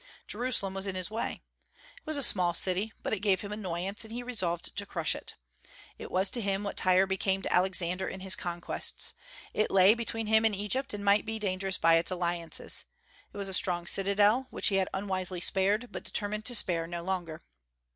Jerusalem was in his way. It was a small city, but it gave him annoyance, and he resolved to crush it. It was to him what Tyre became to Alexander in his conquests. It lay between him and Egypt, and might be dangerous by its alliances. It was a strong citadel which he had unwisely spared, but determined to spare no longer.